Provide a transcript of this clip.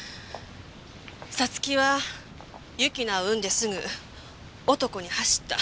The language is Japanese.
五月は由樹奈を産んですぐ男に走った。